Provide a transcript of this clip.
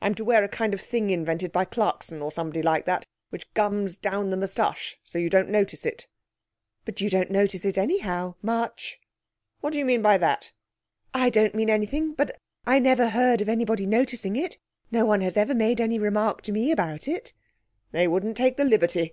I'm to wear a kind of thing invented by Clarkson, or somebody like that, which gums down the moustache, so that you don't notice it' 'But you don't notice it, anyhow, much.' 'What do you mean by that?' 'I don't mean anything. But I never heard of anybody noticing it. No one has ever made any remark to me about it.' 'They wouldn't take the liberty.